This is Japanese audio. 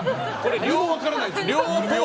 両方分からないです。